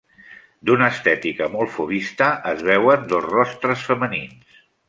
D'una estètica molt fauvista, es veuen dos rostres femenins.